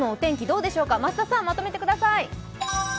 どうでしょうか、増田さんまとめてください。